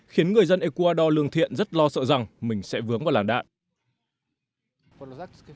khiến người dân ecuador lương thiện rất lo sợ rằng mình sẽ vướng vào làn đạn